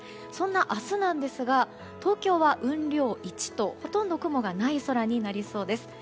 そんな明日なんですが東京は雲量１とほとんど雲がない空になりそうです。